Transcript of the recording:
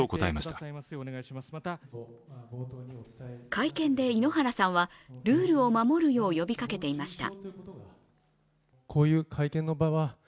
会見で井ノ原さんは、ルールを守るよう呼びかけていました。